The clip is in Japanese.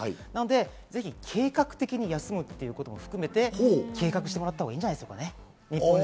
ぜひ計画的に休むということも含めて計画してもらったほうがいいんじゃないですかね。